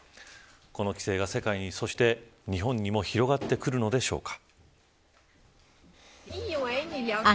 この規制が世界にそして日本にも広がってくるのでしょうか。